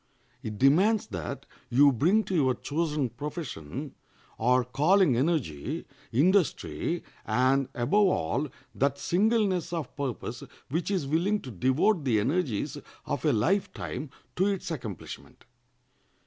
It demands that you bring to your chosen profession or calling energy, industry, and, above all, that singleness of purpose which is willing to devote the energies of a life time to its accomplishment.